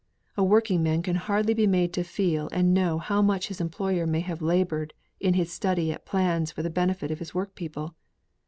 A working man can hardly be made to feel and know how much his employer may have laboured in his study at plans for the benefit of his workpeople.